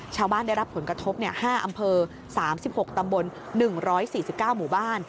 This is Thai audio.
ได้รับผลกระทบ๕อำเภอ๓๖ตำบล๑๔๙หมู่บ้าน